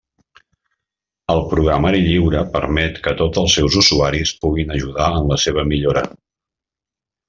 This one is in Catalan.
El programari lliure permet que tots els seus usuaris puguin ajudar en la seva millora.